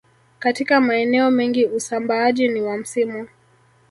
Katika maeneo mengi usambaaji ni wa msimu